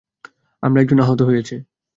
আমরা একজন আহত হয়েছে।